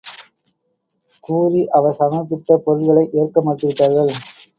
கூறி, அவர் சமர்ப்பித்த பொருள்களை ஏற்க மறுத்துவிட்டார்கள்.